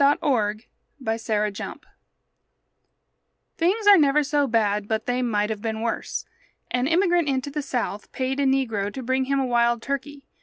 A POOR UNFORTUNATE Things are never so bad but they might have been worse. An immigrant into the South paid a negro to bring him a wild turkey.